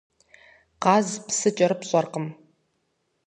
Къаз псы кӏэрыпщӏэркъым.